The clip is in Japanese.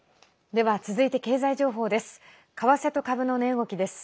では、続いて経済情報です。